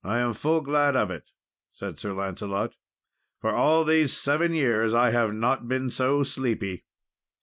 "I am full glad of it," said Sir Lancelot, "for all these seven years I have not been so sleepy."